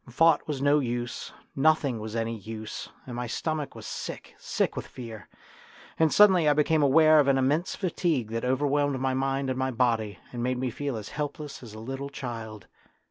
Thought was no use, nothing was any use, and my stomach was sick, sick with fear. And suddenly I became aware of an immense fatigue that overwhelmed my mind and my body, and made me feel as helpless as a little child.